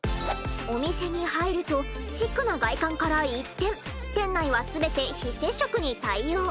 お店に入るとシックな外観から一転店内は全て非接触に対応。